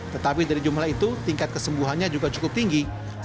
tetapi dari jumlah itu tingkat kesembuhannya juga cukup tinggi